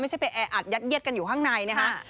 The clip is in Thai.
ไม่ใช่ไปแออัดยัดเยียดกันอยู่ข้างในนะฮะ